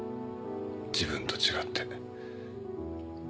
自分と違って。